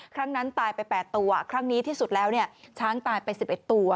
ครั้งนั้นตายไป๘ตัวครั้งนี้ที่สุดแล้วเนี่ยช้างตายไป๑๑ตัว